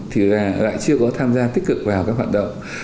thì lại chưa có tham gia tích cực vào các hoạt động